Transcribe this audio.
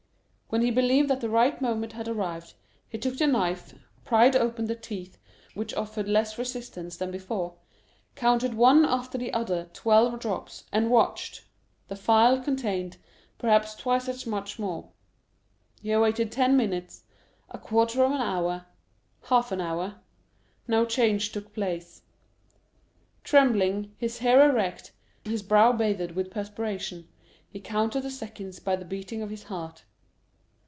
When he believed that the right moment had arrived, he took the knife, pried open the teeth, which offered less resistance than before, counted one after the other twelve drops, and watched; the phial contained, perhaps, twice as much more. He waited ten minutes, a quarter of an hour, half an hour,—no change took place. Trembling, his hair erect, his brow bathed with perspiration, he counted the seconds by the beating of his heart.